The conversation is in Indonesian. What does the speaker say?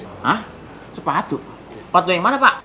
hah sepatu sepatu yang mana pak